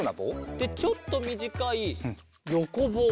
でちょっとみじかいよこぼうもある。